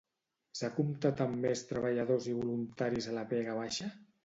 S'ha comptat amb més treballadors i voluntaris a la Vega Baixa?